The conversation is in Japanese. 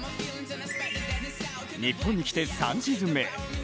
日本に来て３シーズン目。